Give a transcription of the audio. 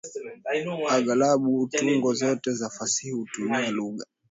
Aghalabu tungo zote za fasihi hutumia lugha.